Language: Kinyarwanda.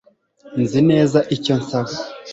Nzi neza icyo nsaba